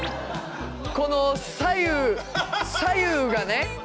この左右左右がね。